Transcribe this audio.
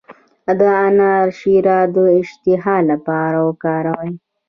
د انار شیره د اشتها لپاره وکاروئ